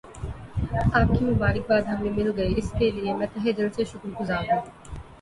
آپ کی مبارک باد ہمیں مل گئی اس کے لئے میں تہہ دل سے شکر گزار ہوں